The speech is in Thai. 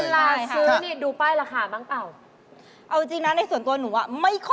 สวัสดีค่ะสวัสดีค่ะสวัสดีค่ะ